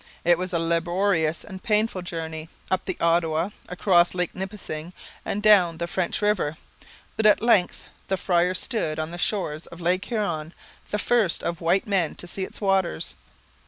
It was a laborious and painful journey up the Ottawa, across Lake Nipissing, and down the French River but at length the friar stood on the shores of Lake Huron, the first of white men to see its waters.